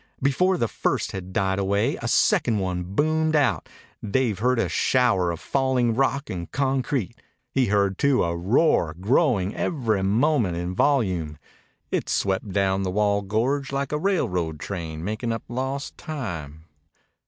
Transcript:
Before the first had died away a second one boomed out. Dave heard a shower of falling rock and concrete. He heard, too, a roar growing every moment in volume. It swept down the walled gorge like a railroad train making up lost time.